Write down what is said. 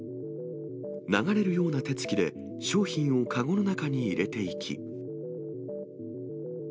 流れるような手つきで商品を籠の中に入れていき。